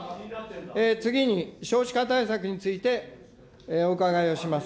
次に、少子化対策についてお伺いをします。